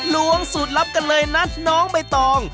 ล้วงสูตรลับกันเลยนะน้องใบตอง